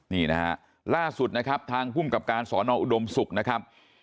นี่นะครับล่าสุดนะครับทางกลุ่มกับการสอนอุดมสุขนะ